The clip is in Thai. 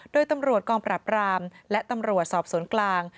โดยตำรวจกองปราบรามและตำรวจสอบสวนกลาง